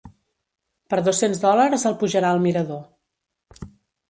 Per dos-cents dòlars el pujarà al mirador.